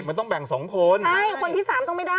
มันต้องแบ่งสองคนใช่คนที่สามต้องไม่ได้